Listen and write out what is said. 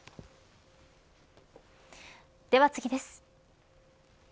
では次です。